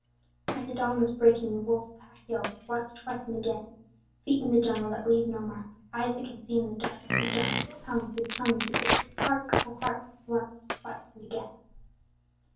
As the dawn was breaking the Wolf Pack yelled Once, twice and again! Feet in the jungle that leave no mark! Eyes that can see in the dark the dark! Tongue give tongue to it! Hark! O hark! Once, twice and again!